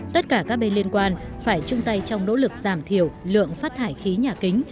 tất cả các bên liên quan phải chung tay trong nỗ lực giảm thiểu lượng phát thải khí nhà kính